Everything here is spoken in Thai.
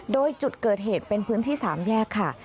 โดยจุดเกิดเหตุเป็นพื้นที่๓แยกค่ะ